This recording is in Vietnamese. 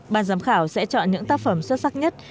ban giám khảo sẽ chọn những tác phẩm xuất sắc nhất